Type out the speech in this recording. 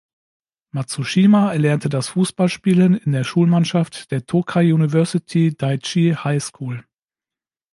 Matsushima erlernte das Fußballspielen in der Schulmannschaft der "Tokai University Daiichi High School".